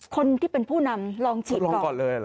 คนที่เป็นผู้นำลองฉีดก่อน